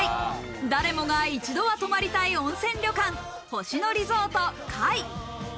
誰もが一度は泊まりたい温泉旅館「星野リゾート界」。